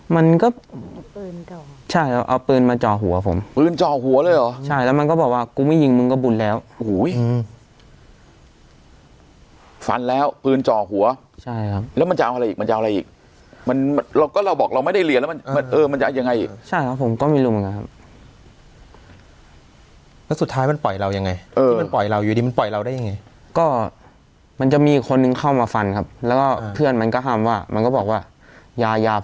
มันก็ใช่แล้วเอาปืนมาจ่อหัวผมปืนจ่อหัวเลยหรอใช่แล้วมันก็บอกว่ากูไม่ยิงมึงก็บุญแล้วอุ้ยอืมฟันแล้วปืนจ่อหัวใช่ครับแล้วมันจะเอาอะไรอีกมันจะเอาอะไรอีกมันมันเราก็เราบอกเราไม่ได้เหลี่ยแล้วมันเออมันจะยังไงใช่ครับผมก็ไม่รู้ไหมครับแล้วสุดท้ายมันปล่อยเรายังไงเออมันปล่อยเราอยู่ดิมันปล่อยเราได้ย